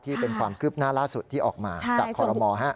ที่เป็นความคืบหน้าล่าสุดที่ออกมาจากคอรมอล